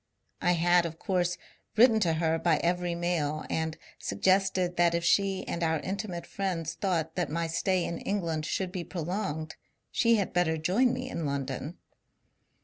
I had of course written to her by every mail, and suggested that if she and our intimate friends thought that my stay in England should be prolonged, she had better join me in London.